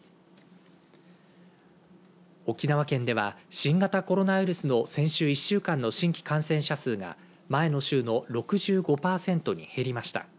沖縄県では新型コロナウイルスの先週１週間の新規感染者数が前の週の６５パーセントに減りました。